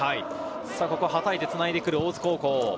ここははたいて繋いでくる大津高校。